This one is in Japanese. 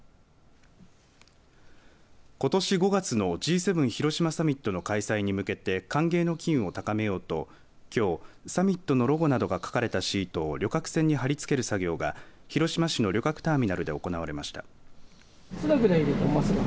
ことし５月のＧ７広島サミットの開催に向けて歓迎の機運を高めようときょう、サミットのロゴなどが描かれたシートを旅客船に貼り付ける作業が広島市の旅客ターミナルで行われました。